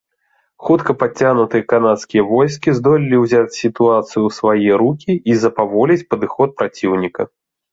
Хутка падцягнутыя канадскія войскі здолелі ўзяць сітуацыю ў свае рукі і запаволіць падыход праціўніка.